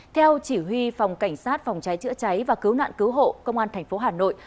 theo chỉ huy phòng cảnh sát phòng cháy chữa cháy và cứu nạn cứu hộ công an tp hà nội